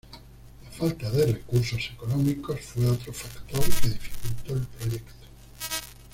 La falta de recursos económicos fue otro factor que dificultó el proyecto.